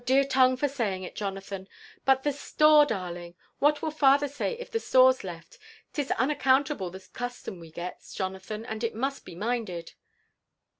dear tongue for saying it, Jonathan 1 But the store, darling ! what will father say if the store's left? 'Tis unac * countable the custom we gets, JonalhUn, and it must be minded."